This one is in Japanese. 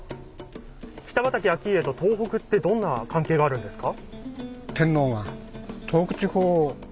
北畠顕家と東北ってどんな関係があるんですか？